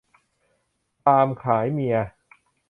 พราหมณ์ขายเมีย